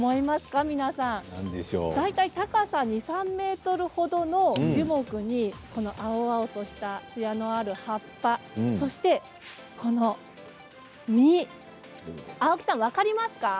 高さ２、３ｍほどの樹木に青々としたツヤのある葉っぱそしてこの実青木さん分かりますか？